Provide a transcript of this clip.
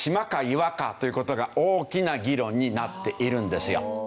岩か？という事が大きな議論になっているんですよ。